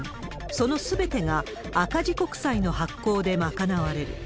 そのすべてが赤字国債の発行で賄われる。